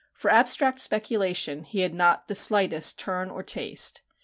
For abstract speculation he had not the slightest turn or taste.